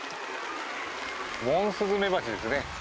モンスズメバチですね。